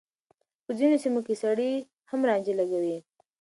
په ځينو سيمو کې سړي هم رانجه لګوي.